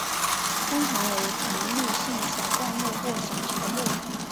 通常为常绿性小灌木或小乔木。